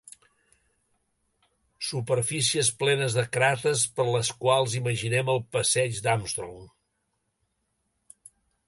Superfícies plenes de cràters per les quals imaginem el passeig d'Armstrong.